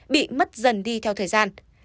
bị mất dần đi theo thời gian